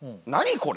これ！